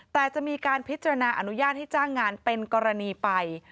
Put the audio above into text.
แต่จะมีการพิจารณาอนุญาตให้จ้างงานเป็นกรณีไป